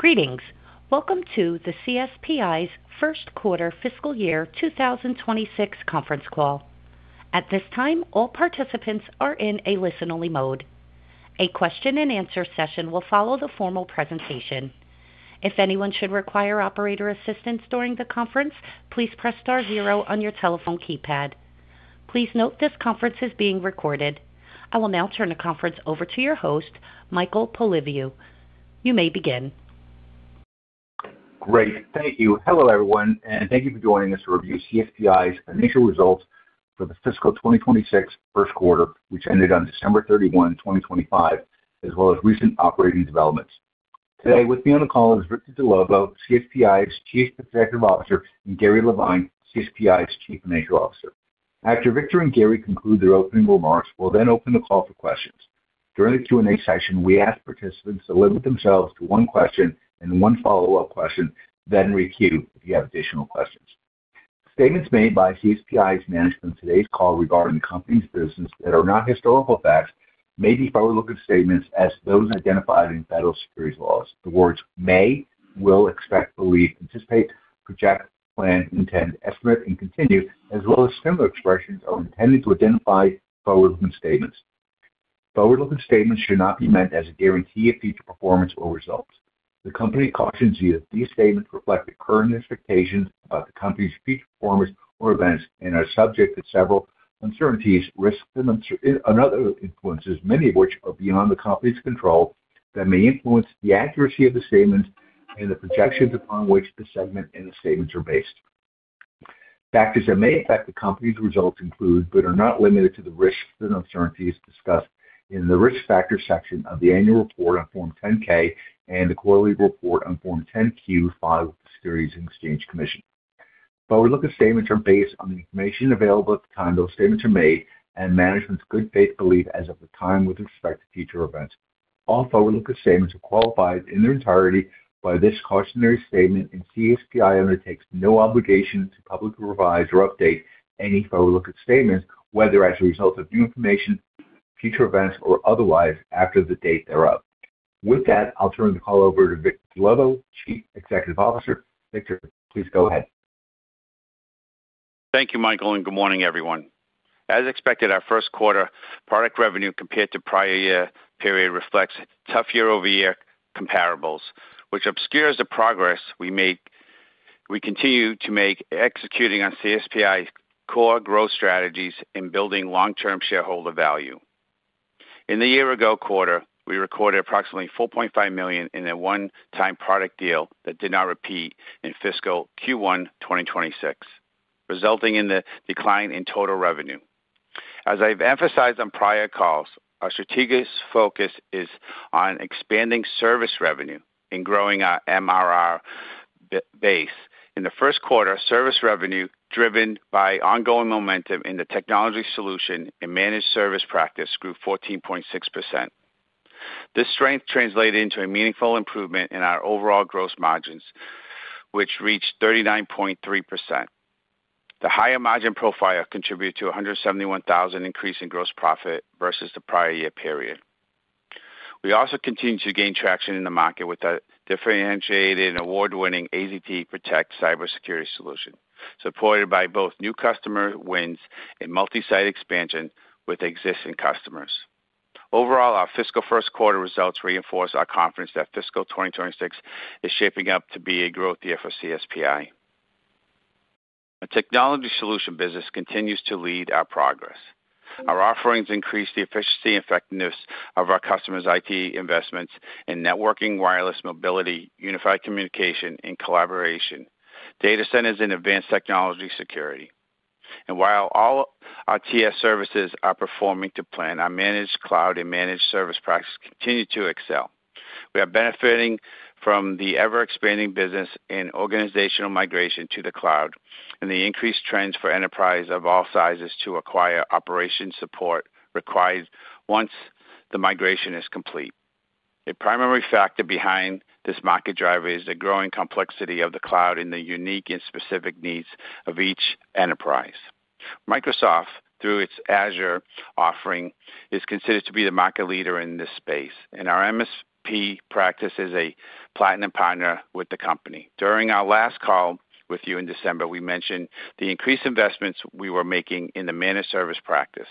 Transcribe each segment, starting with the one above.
Greetings. Welcome to the CSPi's first quarter fiscal year 2026 conference call. At this time, all participants are in a listen-only mode. A question and answer session will follow the formal presentation. If anyone should require operator assistance during the conference, please press star zero on your telephone keypad. Please note this conference is being recorded. I will now turn the conference over to your host, Michael Polyviou. You may begin. Great. Thank you. Hello, everyone, and thank you for joining us to review CSPi's initial results for the fiscal 2026 first quarter, which ended on December 31, 2025, as well as recent operating developments. Today, with me on the call is Victor Dellovo, CSPi's Chief Executive Officer, and Gary Levine, CSPi's Chief Financial Officer. After Victor and Gary conclude their opening remarks, we'll then open the call for questions. During the Q&A session, we ask participants to limit themselves to one question and one follow-up question, then requeue if you have additional questions. Statements made by CSPi's management in today's call regarding the company's business that are not historical facts may be forward-looking statements as those identified in federal securities laws. The words may, will, expect, believe, anticipate, project, plan, intend, estimate, and continue, as well as similar expressions, are intended to identify forward-looking statements. Forward-looking statements should not be meant as a guarantee of future performance or results. The company cautions you that these statements reflect the current expectations about the company's future performance or events and are subject to several uncertainties, risks, and unknown and other influences, many of which are beyond the company's control, that may influence the accuracy of the statements and the projections upon which the segment and the statements are based. Factors that may affect the company's results include, but are not limited to, the risks and uncertainties discussed in the Risk Factors section of the annual report on Form 10-K and the quarterly report on Form 10-Q, filed with the Securities and Exchange Commission. Forward-looking statements are based on the information available at the time those statements are made and management's good faith belief as of the time with respect to future events. All forward-looking statements are qualified in their entirety by this cautionary statement, and CSPi undertakes no obligation to publicly revise or update any forward-looking statements, whether as a result of new information, future events, or otherwise, after the date thereof. With that, I'll turn the call over to Vic Dellovo, Chief Executive Officer. Victor, please go ahead. Thank you, Michael, and good morning, everyone. As expected, our first quarter product revenue compared to prior year period reflects tough year-over-year comparables, which obscures the progress we make. We continue to make executing on CSPI's core growth strategies in building long-term shareholder value. In the year ago quarter, we recorded approximately $4.5 million in a one-time product deal that did not repeat in fiscal Q1 2026, resulting in the decline in total revenue. As I've emphasized on prior calls, our strategic focus is on expanding service revenue and growing our MRR base. In the first quarter, service revenue, driven by ongoing momentum in the technology solution and managed service practice, grew 14.6%. This strength translated into a meaningful improvement in our overall gross margins, which reached 39.3%. The higher margin profile contributed to a $171,000 increase in gross profit versus the prior year period. We also continued to gain traction in the market with our differentiated and award-winning AZT PROTECT cybersecurity solution, supported by both new customer wins and multi-site expansion with existing customers. Overall, our fiscal first quarter results reinforce our confidence that fiscal 2026 is shaping up to be a growth year for CSPi. Our technology solution business continues to lead our progress. Our offerings increase the efficiency and effectiveness of our customers' IT investments in networking, wireless mobility, unified communication and collaboration, data centers, and advanced technology security. And while all our TS services are performing to plan, our managed cloud and managed service practices continue to excel. We are benefiting from the ever-expanding business in organizational migration to the cloud and the increased trends for enterprises of all sizes to acquire operational support services once the migration is complete. The primary factor behind this market driver is the growing complexity of the cloud and the unique and specific needs of each enterprise. Microsoft, through its Azure offering, is considered to be the market leader in this space, and our MSP practice is a platinum partner with the company. During our last call with you in December, we mentioned the increased investments we were making in the managed service practice.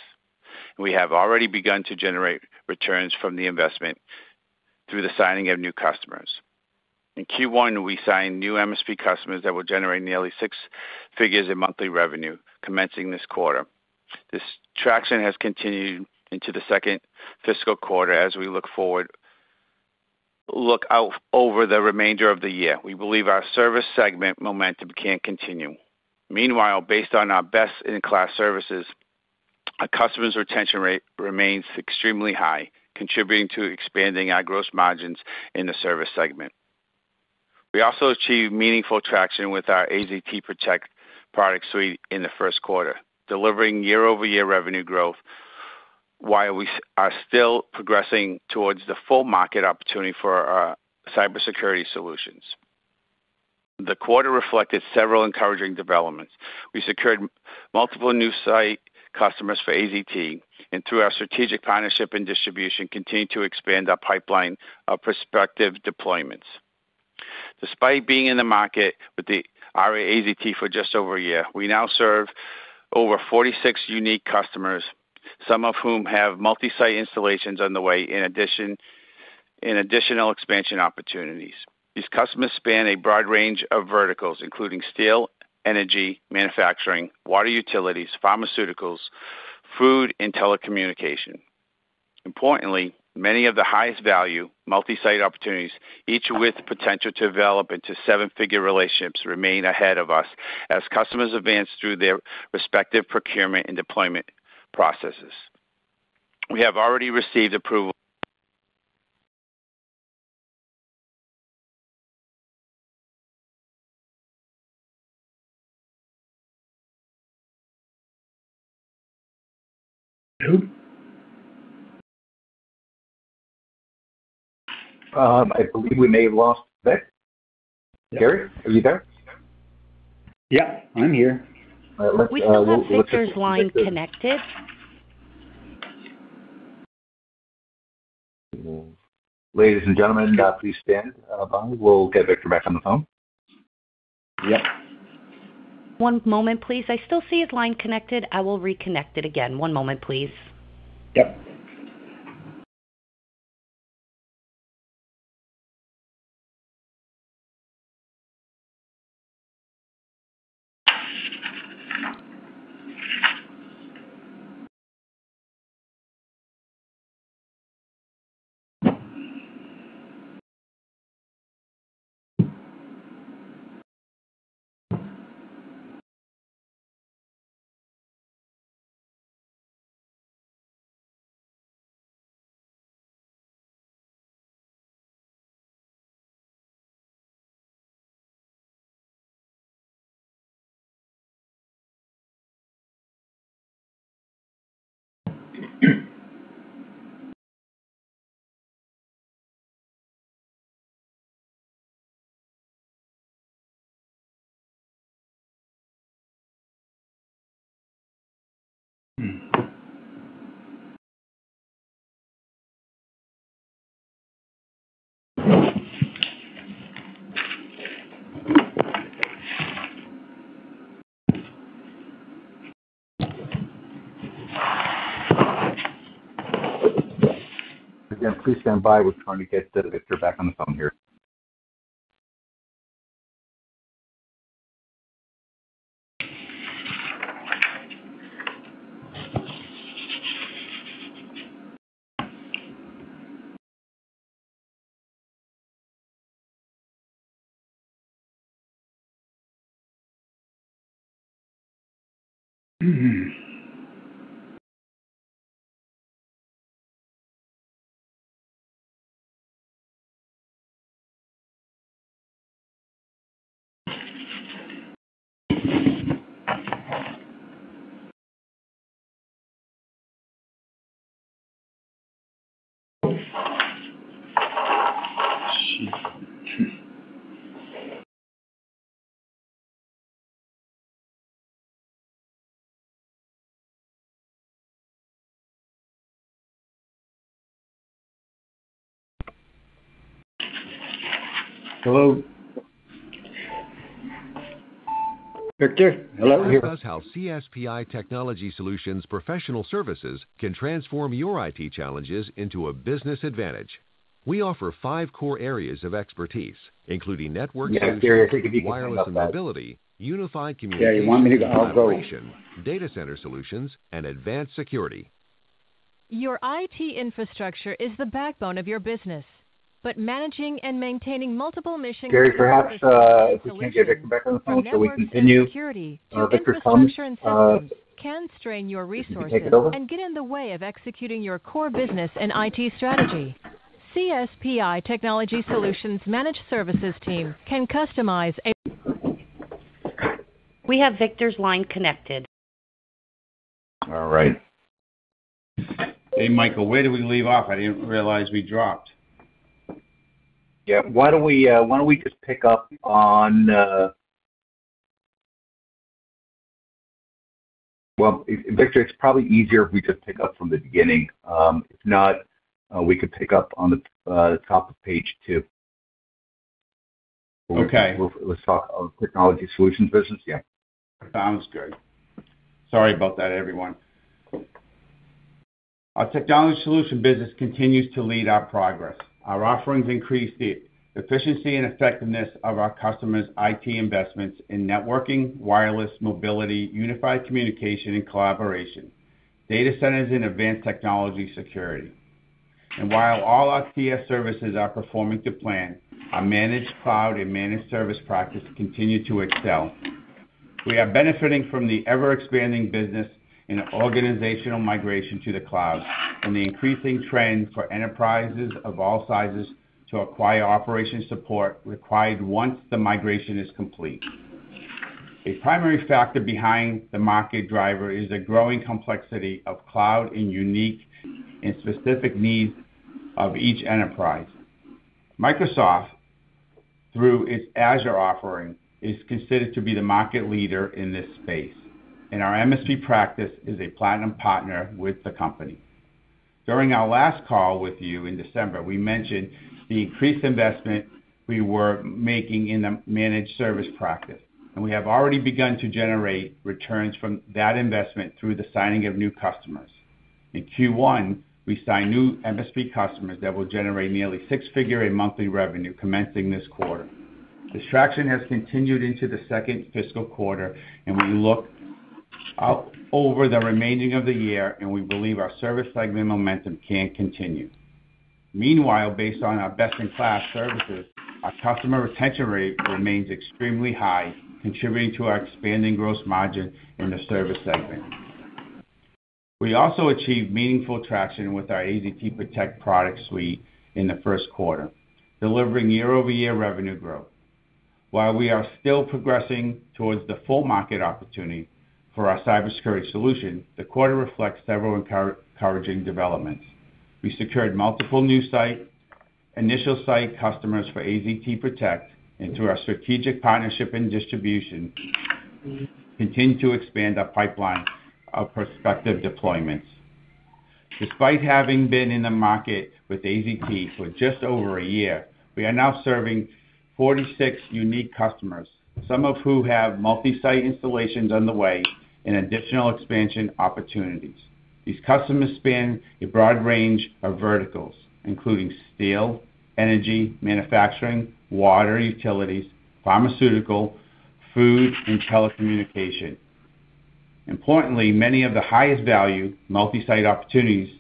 We have already begun to generate returns from the investment through the signing of new customers. In Q1, we signed new MSP customers that will generate nearly six figures in monthly revenue commencing this quarter. This traction has continued into the second fiscal quarter as we look out over the remainder of the year. We believe our service segment momentum can continue. Meanwhile, based on our best-in-class services, our customers' retention rate remains extremely high, contributing to expanding our gross margins in the service segment. We also achieved meaningful traction with our AZT PROTECT product suite in the first quarter, delivering year-over-year revenue growth while we are still progressing towards the full market opportunity for our cybersecurity solutions. The quarter reflected several encouraging developments. We secured multiple new site customers for AZT, and through our strategic partnership and distribution, continued to expand our pipeline of prospective deployments. Despite being in the market with the ARIA AZT for just over a year, we now serve over 46 unique customers, some of whom have multi-site installations on the way, in additional expansion opportunities. These customers span a broad range of verticals, including steel, energy, manufacturing, water utilities, pharmaceuticals, food, and telecommunication. Importantly, many of the highest value multi-site opportunities, each with potential to develop into seven-figure relationships, remain ahead of us as customers advance through their respective procurement and deployment processes. We have already received approval. I believe we may have lost Vic. Gary, are you there? Yeah, I'm here. Let's, let's- We still have Victor's line connected. Ladies and gentlemen, please stand by. We'll get Victor back on the phone. Yeah. One moment, please. I still see his line connected. I will reconnect it again. One moment, please. Yep. Again, please stand by. We're trying to get Victor back on the phone here. Hello? Victor, hello. How CSPi Technology Solutions professional services can transform your IT challenges into a business advantage. We offer five core areas of expertise, including network- Yeah, Gary, I think you can talk about- Wireless and mobility, unified communication- Yeah, you want me to go? Data center solutions, and advanced security. Your IT infrastructure is the backbone of your business, but managing and maintaining multiple mission- Gary, perhaps, if we can't get Victor back on the phone, shall we continue on Victor's phone? You can take it over. Can strain your resources and get in the way of executing your core business and IT strategy. CSPi Technology Solutions Managed Services team can customize a... We have Victor's line connected. All right. Hey, Michael, where did we leave off? I didn't realize we dropped. Yeah. Why don't we just pick up on... Well, Victor, it's probably easier if we just pick up from the beginning. If not, we could pick up on the top of Page 2. Okay. Let's talk on Technology Solutions business. Yeah. Sounds good. Sorry about that, everyone. Our technology solution business continues to lead our progress. Our offerings increase the efficiency and effectiveness of our customers' IT investments in networking, wireless, mobility, unified communication and collaboration, data centers, and advanced technology security. And while all our TS services are performing to plan, our managed cloud and managed service practice continue to excel. We are benefiting from the ever-expanding business in organizational migration to the cloud and the increasing trend for enterprises of all sizes to acquire operation support required once the migration is complete. A primary factor behind the market driver is the growing complexity of cloud and unique and specific needs of each enterprise. Microsoft, through its Azure offering, is considered to be the market leader in this space, and our MSP practice is a platinum partner with the company. During our last call with you in December, we mentioned the increased investment we were making in the managed service practice, and we have already begun to generate returns from that investment through the signing of new customers. In Q1, we signed new MSP customers that will generate nearly six figures in monthly revenue commencing this quarter. This traction has continued into the second fiscal quarter, and we look out over the remaining of the year, and we believe our service segment momentum can continue. Meanwhile, based on our best-in-class services, our customer retention rate remains extremely high, contributing to our expanding gross margin in the service segment. We also achieved meaningful traction with our AZT PROTECT product suite in the first quarter, delivering year-over-year revenue growth. While we are still progressing towards the full market opportunity for our cybersecurity solution, the quarter reflects several encouraging developments. We secured multiple new site, initial site customers for AZT PROTECT, and through our strategic partnership and distribution, continue to expand our pipeline of prospective deployments. Despite having been in the market with AZT for just over a year, we are now serving 46 unique customers, some of who have multi-site installations on the way and additional expansion opportunities. These customers span a broad range of verticals, including steel, energy, manufacturing, water, utilities, pharmaceutical, food, and telecommunication. Importantly, many of the highest-value multi-site opportunities,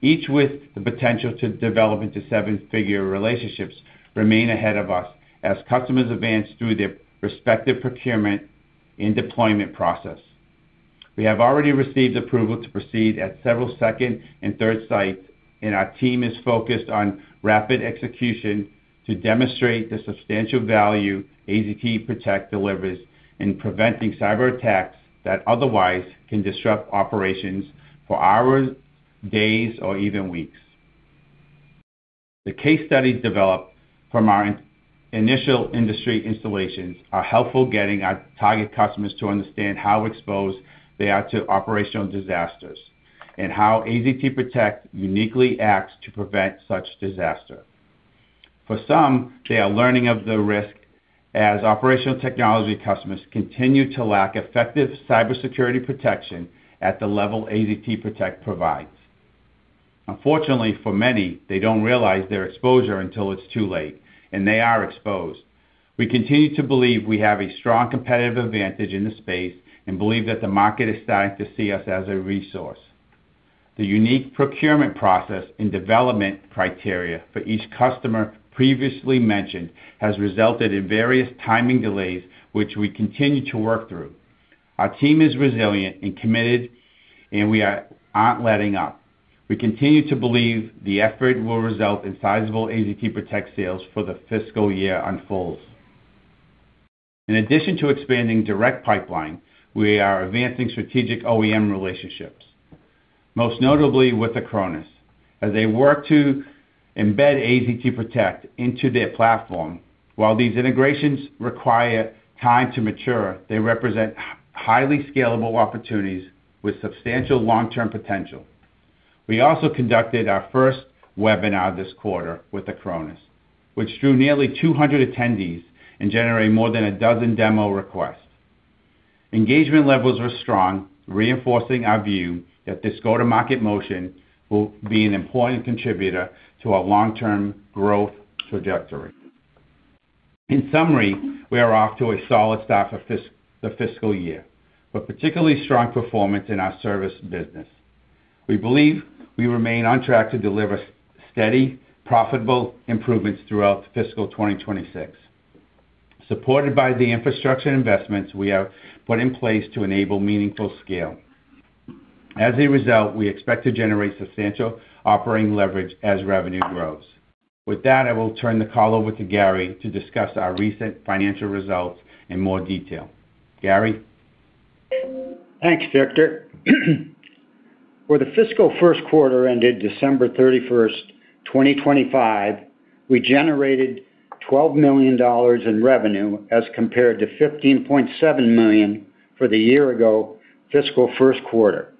each with the potential to develop into seven-figure relationships, remain ahead of us as customers advance through their respective procurement and deployment process. We have already received approval to proceed at several second and third sites, and our team is focused on rapid execution to demonstrate the substantial value AZT PROTECT delivers in preventing cyberattacks that otherwise can disrupt operations for hours, days, or even weeks. The case studies developed from our initial industry installations are helpful getting our target customers to understand how exposed they are to operational disasters and how AZT PROTECT uniquely acts to prevent such disaster. For some, they are learning of the risk as operational technology customers continue to lack effective cybersecurity protection at the level AZT PROTECT provides. Unfortunately, for many, they don't realize their exposure until it's too late, and they are exposed. We continue to believe we have a strong competitive advantage in this space and believe that the market is starting to see us as a resource. The unique procurement process and development criteria for each customer previously mentioned, has resulted in various timing delays, which we continue to work through. Our team is resilient and committed, and we aren't letting up. We continue to believe the effort will result in sizable AZT PROTECT sales as the fiscal year unfolds. In addition to expanding direct pipeline, we are advancing strategic OEM relationships, most notably with Acronis, as they work to embed AZT PROTECT into their platform. While these integrations require time to mature, they represent highly scalable opportunities with substantial long-term potential. We also conducted our first webinar this quarter with Acronis, which drew nearly 200 attendees and generated more than a dozen demo requests. Engagement levels were strong, reinforcing our view that this go-to-market motion will be an important contributor to our long-term growth trajectory. In summary, we are off to a solid start for the fiscal year, but particularly strong performance in our service business. We believe we remain on track to deliver steady, profitable improvements throughout fiscal 2026, supported by the infrastructure investments we have put in place to enable meaningful scale. As a result, we expect to generate substantial operating leverage as revenue grows. With that, I will turn the call over to Gary to discuss our recent financial results in more detail. Gary? Thanks, Victor. For the fiscal first quarter ended December 31st, 2025, we generated $12 million in revenue, as compared to $15.7 million for the year-ago fiscal first quarter.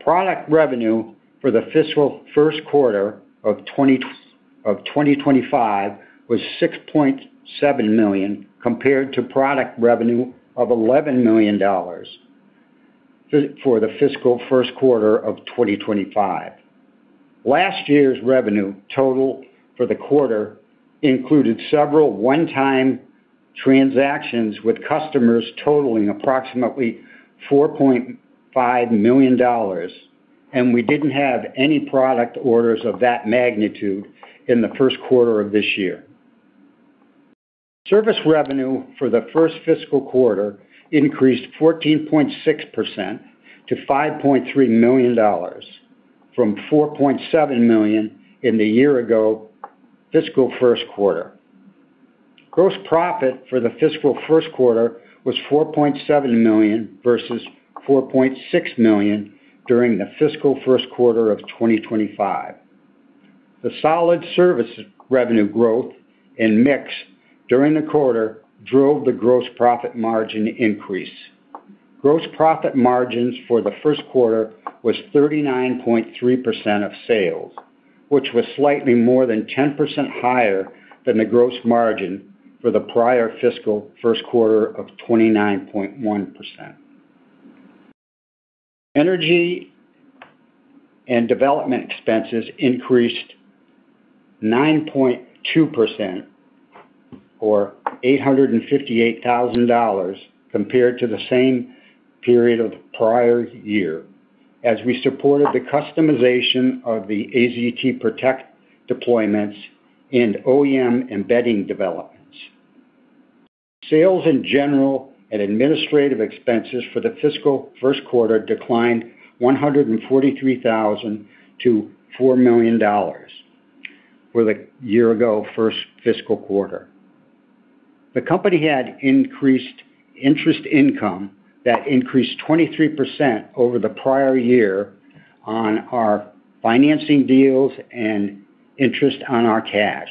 Product revenue for the fiscal first quarter of 2025 was $6.7 million, compared to product revenue of $11 million for the fiscal first quarter of 2025. Last year's revenue total for the quarter included several one-time transactions with customers totaling approximately $4.5 million, and we didn't have any product orders of that magnitude in the first quarter of this year. Service revenue for the first fiscal quarter increased 14.6% to $5.3 million, from $4.7 million in the year-ago fiscal first quarter. Gross profit for the fiscal first quarter was $4.7 million versus $4.6 million during the fiscal first quarter of 2025. The solid service revenue growth and mix during the quarter drove the gross profit margin increase. Gross profit margins for the first quarter was 39.3% of sales, which was slightly more than 10% higher than the gross margin for the prior fiscal first quarter of 29.1%. Energy and development expenses increased 9.2%, or $858,000, compared to the same period of the prior year, as we supported the customization of the AZT PROTECT deployments and OEM embedding developments. Sales in general and administrative expenses for the fiscal first quarter declined $143,000 to $4 million for the year ago first fiscal quarter. The company had increased interest income that increased 23% over the prior year on our financing deals and interest on our cash.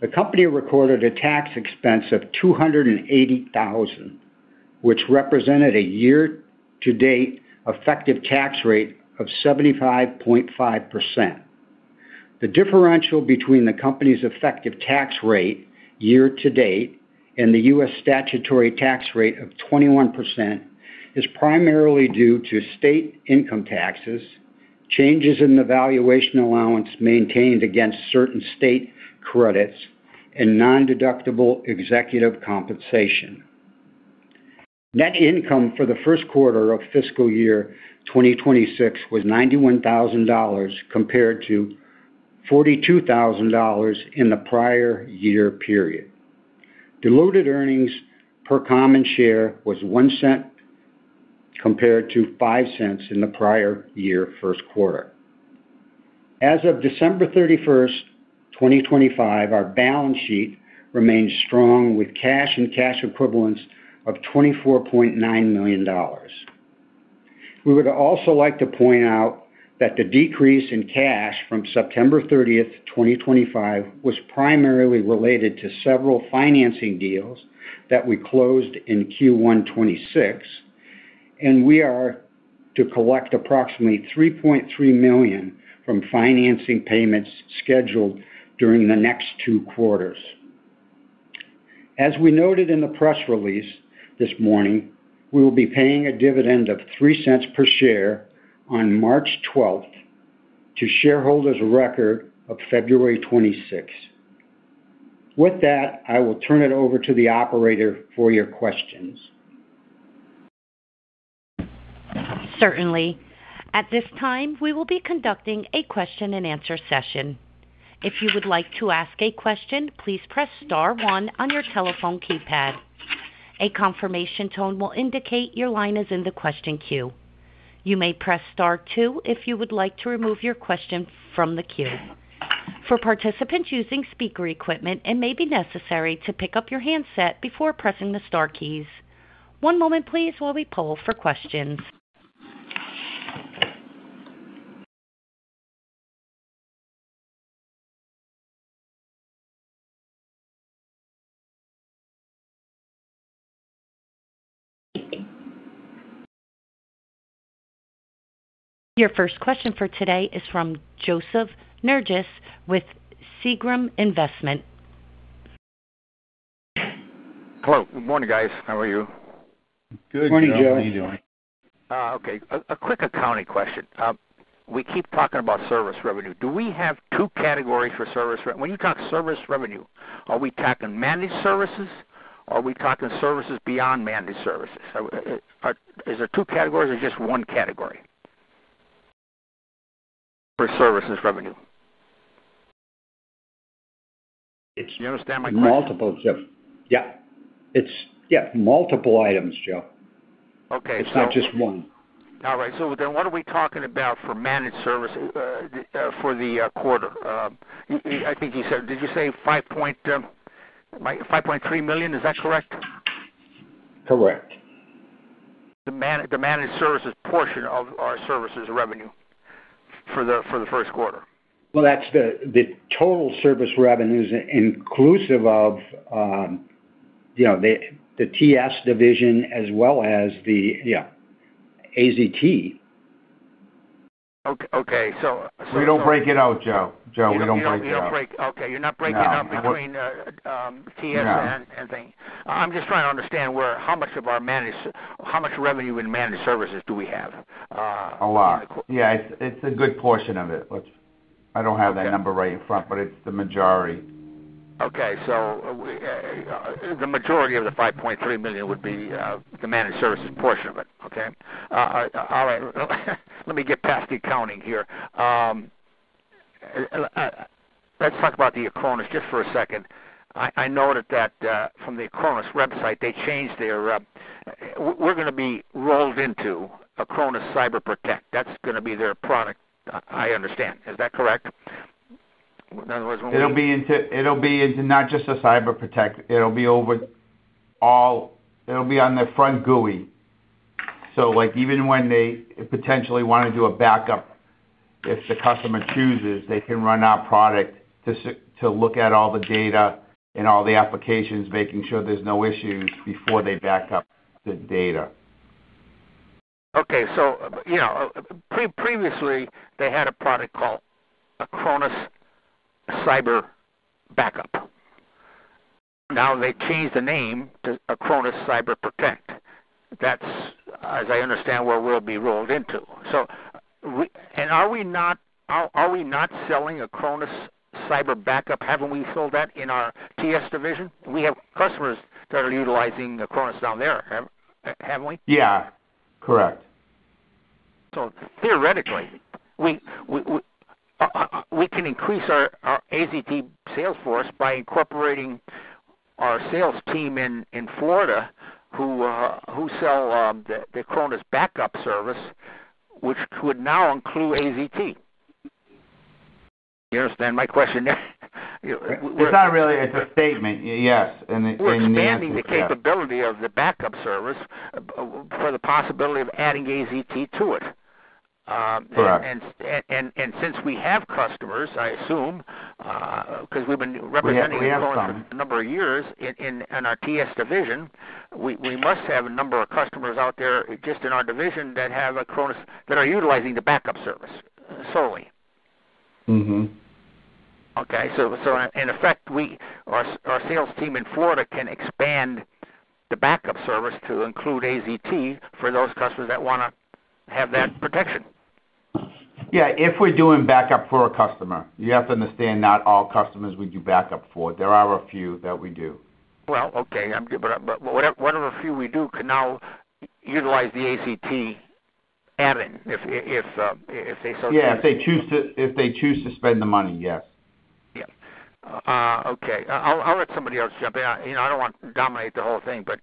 The company recorded a tax expense of $280,000, which represented a year-to-date effective tax rate of 75.5%. The differential between the company's effective tax rate year-to-date and the U.S. statutory tax rate of 21% is primarily due to state income taxes, changes in the valuation allowance maintained against certain state credits, and nondeductible executive compensation. Net income for the first quarter of fiscal year 2026 was $91,000, compared to $42,000 in the prior year period. Diluted earnings per common share was $0.01, compared to $0.05 in the prior year first quarter. As of December 31st, 2025, our balance sheet remains strong, with cash and cash equivalents of $24.9 million. We would also like to point out that the decrease in cash from September 30th, 2025, was primarily related to several financing deals that we closed in Q1 2026, and we are to collect approximately $3.3 million from financing payments scheduled during the next two quarters. As we noted in the press release this morning, we will be paying a dividend of $0.03 per share on March 12th to shareholders record of February 26th. With that, I will turn it over to the operator for your questions. Certainly. At this time, we will be conducting a question and answer session. If you would like to ask a question, please press star one on your telephone keypad. A confirmation tone will indicate your line is in the question queue. You may press star two if you would like to remove your question from the queue. For participants using speaker equipment, it may be necessary to pick up your handset before pressing the star keys. One moment please, while we poll for questions. Your first question for today is from Joseph Nerges with Segren Investments. Hello. Good morning, guys. How are you? Good morning, Joe. How are you doing? Okay, a quick accounting question. We keep talking about service revenue. Do we have two categories for service revenue when you talk service revenue, are we talking managed services or are we talking services beyond managed services? So, is there two categories or just one category for services revenue? Do you understand my question? Multiple, Joe. Yeah, it's, yeah, multiple items, Joe. Okay. It's not just one. All right, so then what are we talking about for managed services for the quarter? I think you said... Did you say $5.3 million? Is that correct? Correct. The managed services portion of our services revenue for the first quarter. Well, that's the total service revenues, inclusive of, you know, the TS division as well as, yeah, AZT. Okay, so- We don't break it out, Joe. Joe, we don't break it out. Okay. You're not breaking out- No - between TS- No I'm just trying to understand where, how much of our managed, how much revenue in managed services do we have? A lot. Yeah, it's a good portion of it, which I don't have that number right in front, but it's the majority. Okay, so, the majority of the $5.3 million would be the managed services portion of it, okay? All right. Let me get past the accounting here. Let's talk about the Acronis just for a second. I noted that from the Acronis website, they changed their... We're gonna be rolled into Acronis Cyber Protect. That's gonna be their product, I understand. Is that correct? It'll be into not just the Cyber Protect, it'll be overall—it'll be on the front GUI. So like, even when they potentially wanna do a backup, if the customer chooses, they can run our product to look at all the data and all the applications, making sure there's no issues before they back up the data. Okay. So, you know, previously, they had a product called Acronis Cyber Backup. Now, they changed the name to Acronis Cyber Protect. That's, as I understand, where we'll be rolled into. So, are we not selling Acronis Cyber Backup? Haven't we sold that in our TS division? We have customers that are utilizing Acronis down there, haven't we? Yeah, correct. So theoretically, we can increase our AZT sales force by incorporating our sales team in Florida, who sell the Acronis backup service, which would now include AZT. You understand my question there? It's not really, it's a statement. Yes, and the- We're expanding the capability of the backup service for the possibility of adding AZT to it. Correct. Since we have customers, I assume, 'cause we've been representing- We have some. ...Acronis for a number of years in our TS division, we must have a number of customers out there, just in our division, that have Acronis, that are utilizing the backup service solely. Mm-hmm. Okay, so in effect, our sales team in Florida can expand the backup service to include AZT for those customers that wanna have that protection. Yeah, if we're doing backup for a customer. You have to understand, not all customers we do backup for. There are a few that we do. Well, okay, I'm good. But one of the few we do can now utilize the AZT add-in, if they so- Yeah, if they choose to, if they choose to spend the money, yes. Yeah. Okay. I'll let somebody else jump in. You know, I don't want to dominate the whole thing, but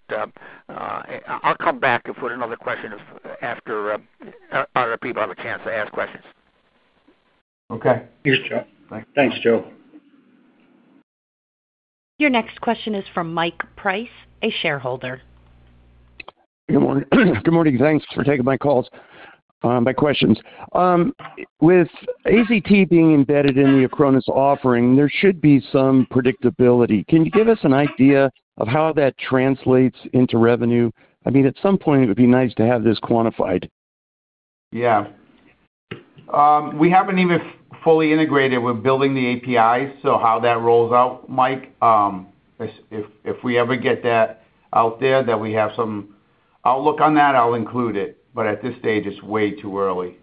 I'll come back and put another question after other people have a chance to ask questions. Okay. Thanks, Joe. Thanks, Joe. Your next question is from Mike Price, a shareholder. Good morning. Good morning. Thanks for taking my calls, my questions. With AZT being embedded in the Acronis offering, there should be some predictability. Can you give us an idea of how that translates into revenue? I mean, at some point, it would be nice to have this quantified. Yeah. We haven't even fully integrated. We're building the APIs, so how that rolls out, Mike, if we ever get that out there, that we have some outlook on that, I'll include it, but at this stage, it's way too early.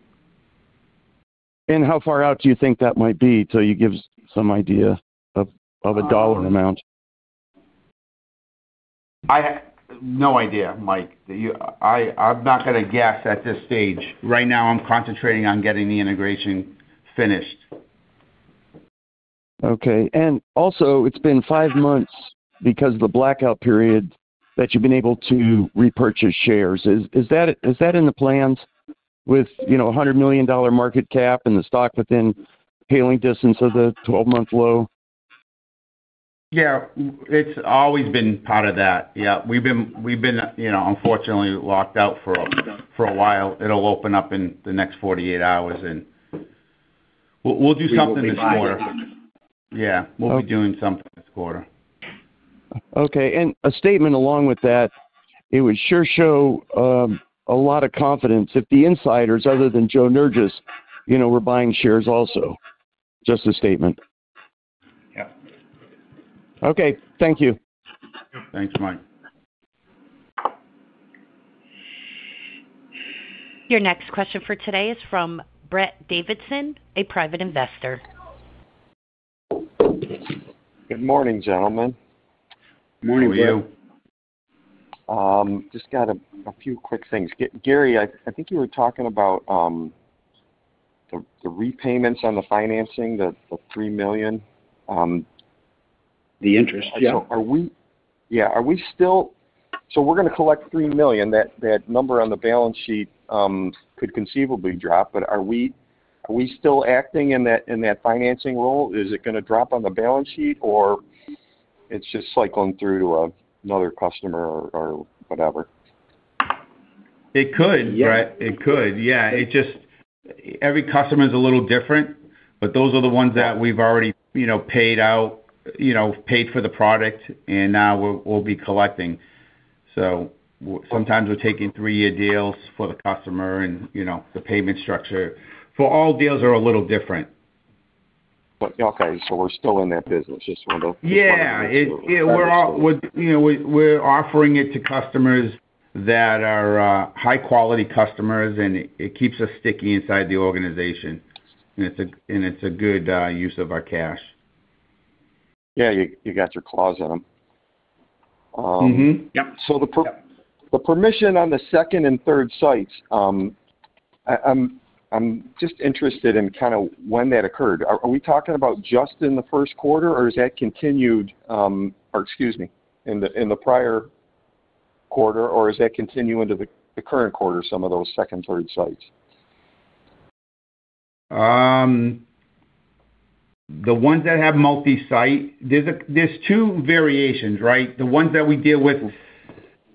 How far out do you think that might be till you give us some idea of a dollar amount? I have no idea, Mike. I'm not gonna guess at this stage. Right now, I'm concentrating on getting the integration finished. Okay. And also, it's been five months because of the blackout period that you've been able to repurchase shares. Is that in the plans with, you know, a $100 million market cap and the stock within hailing distance of the 12-month low? Yeah, it's always been part of that. Yeah, we've been, you know, unfortunately locked out for a while. It'll open up in the next 48 hours, and we'll do something this quarter. We will be buying. Yeah, we'll be doing something this quarter. Okay, and a statement along with that, it would sure show a lot of confidence if the insiders, other than Joe Nerges, you know, were buying shares also. Just a statement. Yeah. Okay. Thank you. Thanks, Mike. Your next question for today is from Brett Davidson, a private investor. Good morning, gentlemen. Good morning to you. Morning, Brett. Just got a few quick things. Gary, I think you were talking about the repayments on the financing, the $3 million. The interest, yeah. Yeah, are we still... So we're gonna collect $3 million. That, that number on the balance sheet could conceivably drop, but are we, are we still acting in that, in that financing role? Is it gonna drop on the balance sheet, or it's just cycling through to another customer or, or whatever? It could- Yeah. Brett, it could, yeah. It just... Every customer is a little different, but those are the ones that we've already, you know, paid out, you know, paid for the product, and now we're, we'll be collecting. So sometimes we're taking three-year deals for the customer, and, you know, the payment structure. For all deals are a little different. Okay, so we're still in that business. Just wanted to- Yeah, it- Just wanted to make sure. We're, you know, we're offering it to customers that are high-quality customers, and it keeps us sticky inside the organization, and it's a good use of our cash. Yeah, you got your claws in them. Mm-hmm. Yep. So the permission on the second and third sites, I'm just interested in kind of when that occurred. Are we talking about just in the first quarter, or is that continued in the prior quarter, or is that continuing to the current quarter, some of those second, third sites? The ones that have multi-site, there's two variations, right? The ones that we deal with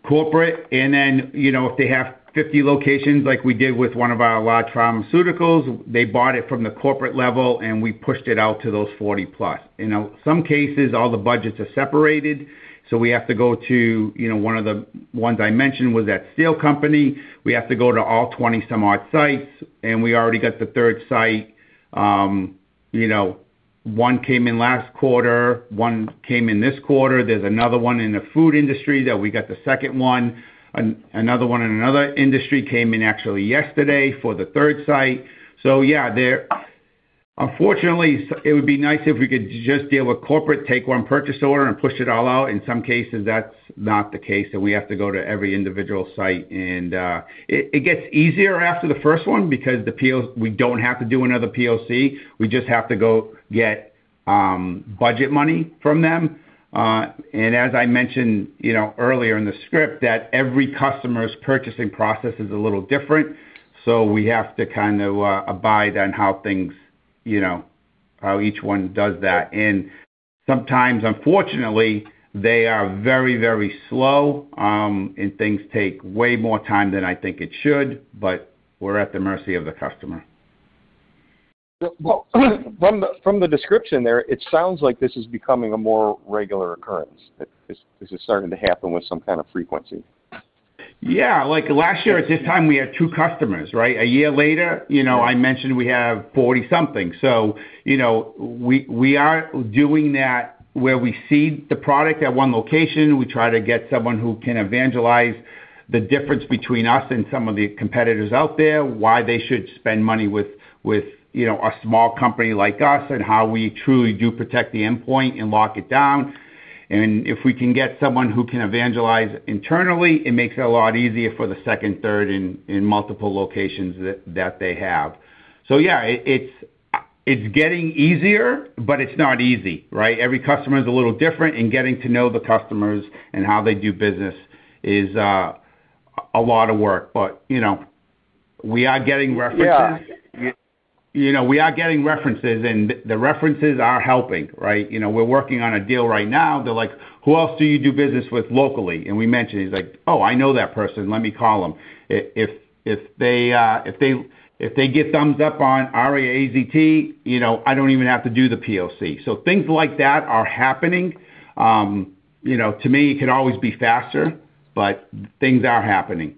corporate, and then, you know, if they have 50 locations like we did with one of our large pharmaceuticals, they bought it from the corporate level, and we pushed it out to those 40+. You know, some cases, all the budgets are separated, so we have to go to, you know, one of the ones I mentioned was that steel company. We have to go to all 20-some-odd sites, and we already got the third site. You know, one came in last quarter, one came in this quarter. There's another one in the food industry that we got the second one. Another one in another industry came in actually yesterday for the third site. So yeah, there... Unfortunately, it would be nice if we could just deal with corporate, take one purchase order, and push it all out. In some cases, that's not the case, so we have to go to every individual site, and it gets easier after the first one because the POs, we don't have to do another POC. We just have to go get budget money from them. And as I mentioned, you know, earlier in the script, that every customer's purchasing process is a little different, so we have to kind of abide on how things, you know, how each one does that. And sometimes, unfortunately, they are very, very slow, and things take way more time than I think it should, but we're at the mercy of the customer. Well, from the description there, it sounds like this is becoming a more regular occurrence. This is starting to happen with some kind of frequency. Yeah, like last year, at this time, we had 2 customers, right? A year later, you know, I mentioned we have 40-something. So, you know, we, we are doing that where we seed the product at one location. We try to get someone who can evangelize the difference between us and some of the competitors out there, why they should spend money with, with, you know, a small company like us, and how we truly do protect the endpoint and lock it down. And if we can get someone who can evangelize internally, it makes it a lot easier for the second, third in, in multiple locations that, that they have. So yeah, it, it's, it's getting easier, but it's not easy, right? Every customer is a little different, and getting to know the customers and how they do business is a lot of work, but, you know, we are getting references. Yeah. You know, we are getting references, and the, the references are helping, right? You know, we're working on a deal right now. They're like: "Who else do you do business with locally?" And we mentioned, he's like: "Oh, I know that person. Let me call them." If, if they, if they get thumbs up on ARIA AZT, you know, I don't even have to do the POC. So things like that are happening. You know, to me, it could always be faster, but things are happening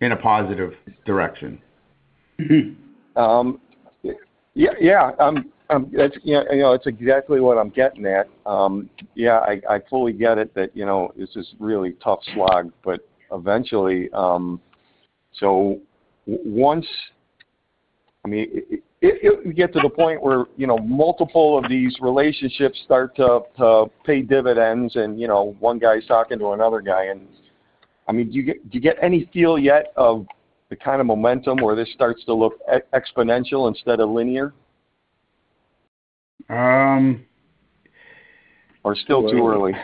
in a positive direction. Yeah, yeah. That's, you know, it's exactly what I'm getting at. Yeah, I fully get it that, you know, this is really tough slog, but eventually... So once, I mean, it get to the point where, you know, multiple of these relationships start to pay dividends and, you know, one guy's talking to another guy, and, I mean, do you get any feel yet of the kind of momentum where this starts to look exponential instead of linear? Um- Or still too early?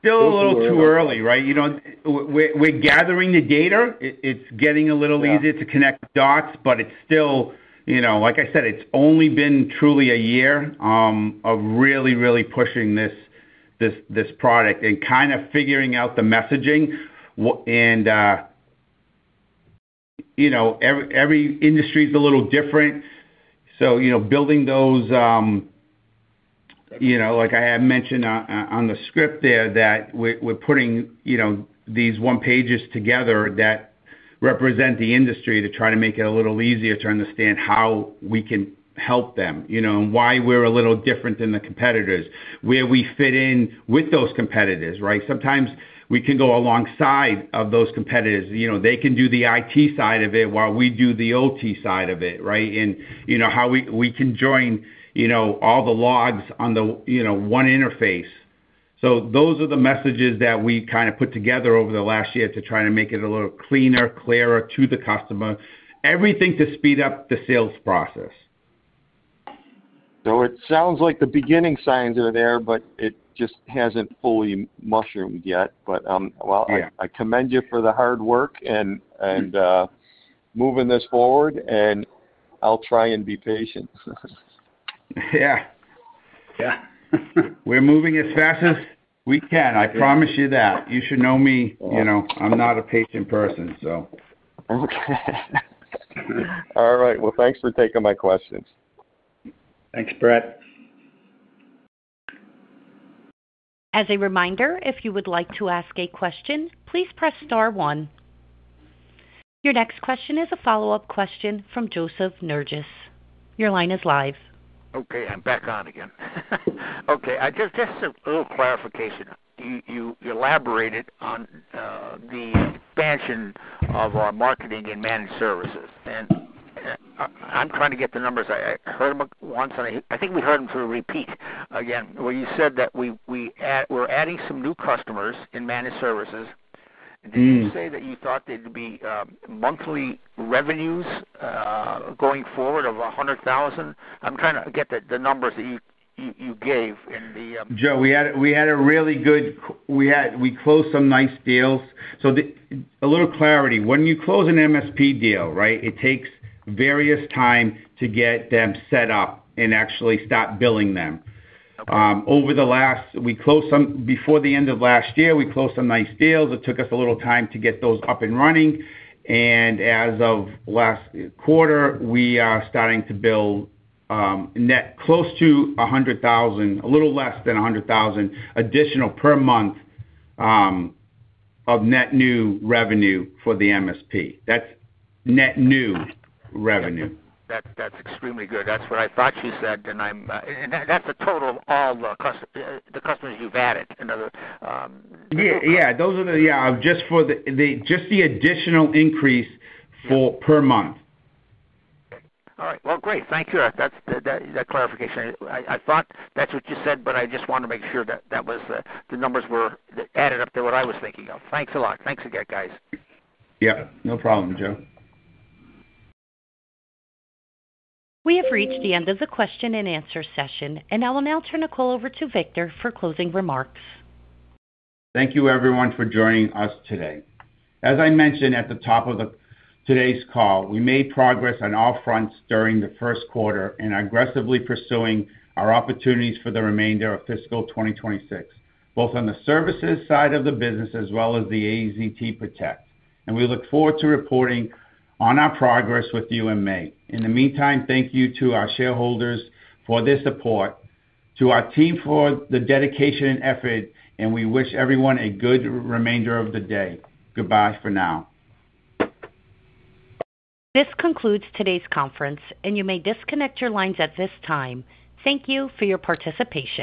Still a little too early, right? You know, we're gathering the data. It's getting a little easier- Yeah... to connect the dots, but it's still, you know, like I said, it's only been truly a year of really, really pushing this, this, this product and kind of figuring out the messaging. And, you know, every, every industry is a little different. So, you know, building those, you know, like I had mentioned on the script there, that we're, we're putting, you know, these one-pagers together that represent the industry to try to make it a little easier to understand how we can help them, you know, and why we're a little different than the competitors, where we fit in with those competitors, right? Sometimes we can go alongside of those competitors. You know, they can do the IT side of it, while we do the OT side of it, right? You know how we can join, you know, all the logs on the, you know, one interface. Those are the messages that we kind of put together over the last year to try to make it a little cleaner, clearer to the customer, everything to speed up the sales process. So it sounds like the beginning signs are there, but it just hasn't fully mushroomed yet. But, well- Yeah... I commend you for the hard work and moving this forward, and I'll try and be patient. Yeah. Yeah. We're moving as fast as we can. I promise you that. You should know me, you know, I'm not a patient person, so. Okay. All right. Well, thanks for taking my questions. Thanks, Brett. As a remimder, if you would like to ask a question, please press star one. Your next question is a follow-up question from Joseph Nerges. Your line is live. Okay, I'm back on again. Okay, I just a little clarification. You elaborated on the expansion of our marketing and managed services, and I'm trying to get the numbers. I heard them once, and I think we heard them through a repeat again, where you said that we're adding some new customers in managed services. Did you say that you thought there'd be monthly revenues going forward of $100,000? I'm trying to get the numbers that you gave in the Joe, we had a really good—we closed some nice deals. So the... A little clarity. When you close an MSP deal, right, it takes various time to get them set up and actually start billing them. Okay. Over the last, before the end of last year, we closed some nice deals. It took us a little time to get those up and running, and as of last quarter, we are starting to build, net close to $100,000, a little less than $100,000, additional per month, of net new revenue for the MSP. That's net new revenue. That's, that's extremely good. That's what I thought you said, and I'm... And that's a total of all the customers you've added in other... Yeah, yeah, those are the... Yeah, just the additional increase for per month. All right. Well, great. Thank you. That's that clarification. I thought that's what you said, but I just wanted to make sure that the numbers added up to what I was thinking of. Thanks a lot. Thanks again, guys. Yeah, no problem, Joe. We have reached the end of the question and answer session, and I will now turn the call over to Victor for closing remarks. Thank you everyone for joining us today. As I mentioned at the top of today's call, we made progress on all fronts during the first quarter and are aggressively pursuing our opportunities for the remainder of fiscal 2026, both on the services side of the business as well as the AZT PROTECT, and we look forward to reporting on our progress with you in May. In the meantime, thank you to our shareholders for their support, to our team, for the dedication and effort, and we wish everyone a good remainder of the day. Goodbye for now. This concludes today's conference, and you may disconnect your lines at this time. Thank you for your participation.